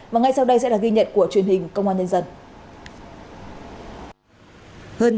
và ngay sau đây sẽ là ghi nhận của truyền hình công an nhân dân